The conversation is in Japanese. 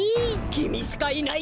きみしかいない！